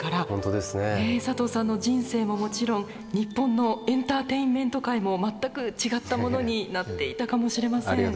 ほんとですね。ね佐藤さんの人生ももちろん日本のエンターテインメント界も全く違ったものになっていたかもしれません。